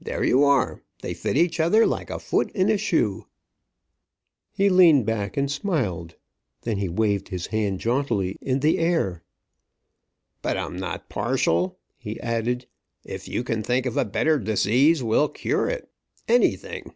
There you are! They fit each other like a foot in a shoe." He leaned back, and smiled. Then he waved his hand jauntily in the air. "But I'm not partial," he added. "If you can think of a better disease, we'll cure it. Anything!"